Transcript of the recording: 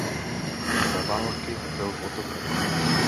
Za války byl potopen.